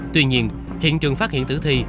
tuy nhiên hiện trường phát hiện tử thi